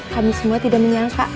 kami semua tidak menyangka